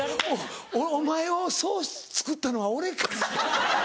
お前をそうつくったのは俺か。